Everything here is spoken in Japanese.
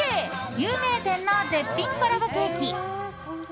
有名店の絶品コラボケーキ。